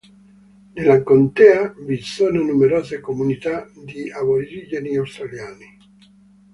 Nella contea vi sono numerose comunità di aborigeni australiani.